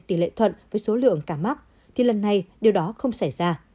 tỷ lệ thuận với số lượng ca mắc thì lần này điều đó không xảy ra